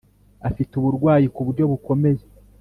afite uburwayi ku buryo bukomeye.